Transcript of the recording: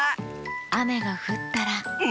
あめがふったらンフフ。